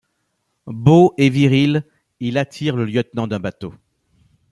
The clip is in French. Beau et viril, il attire le lieutenant d'un bateau.